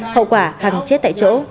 hậu quả hằng chết tại chỗ